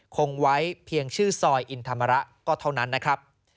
คงไว้เพียงชื่อซอยอินธรรมระก็เท่านั้นนะครับ